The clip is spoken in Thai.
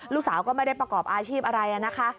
ลูกสาวก็ไม่ได้ประกอบอาชีพอะไรนะคะ